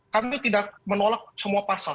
kami tidak menolak semua pasal